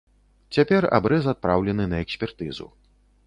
Цяпер абрэз адпраўлены на экспертызу.